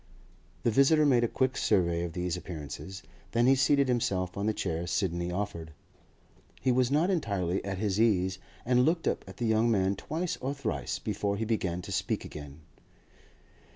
The visitor made a quick survey of these appearances; then he seated himself on the chair Sidney offered. He was not entirely at his ease, and looked up at the young man twice or thrice before he began to speak again.